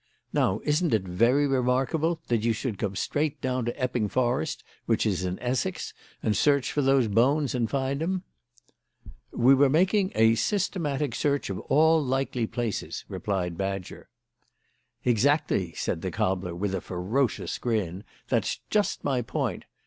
Now isn't it very remarkable that you should come straight down to Epping Forest, which is in Essex, and search for those bones and find 'em?" "We were making a systematic search of all likely places," replied Badger. "Exactly," said the cobbler, with a ferocious grin, "that's just my point.